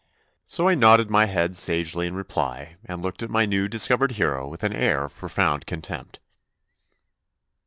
So I nodded my head sagely THE NEW BOY 57 in reply, and looked at my new discovered hero with an air of profound contempt.